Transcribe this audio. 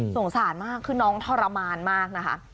สงสารมากคือน้องทรมานมากนะคะ